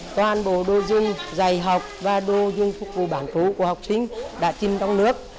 toàn bộ đô dung dày học và đô dung phục vụ bản phố của học sinh đã chìm trong nước